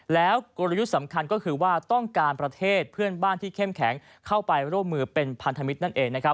แล้วกลยุทธ์สำคัญก็คือว่าต้องการประเทศเพื่อนบ้านที่เข้มแข็งเข้าไปร่วมมือเป็นพันธมิตรนั่นเองนะครับ